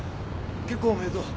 結婚おめでとう。